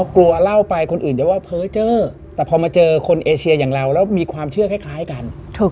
กลัวเล่าไปคนอื่นจะว่าเพ้อเจอแต่พอมาเจอคนเอเชียอย่างเราแล้วมีความเชื่อคล้ายกัน